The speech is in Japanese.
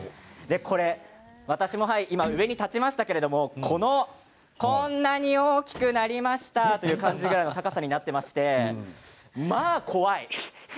これ私も今、上に立ちましたけれどもこんなに大きくなりましたという感じくらいの高さになっていましてまあ怖い。